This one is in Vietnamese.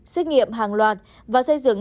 xét nghiệm hàng loạt và xây dựng